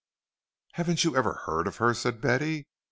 "Haven't you ever heard of her?" said Betty.